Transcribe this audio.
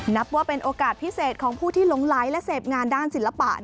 นับว่าเป็นโอกาสพิเศษของผู้ที่หลงไหลและเสพงานด้านศิลปะ